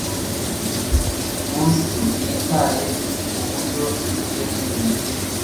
Munsi ntiyitaye kuburyo ibuye rinini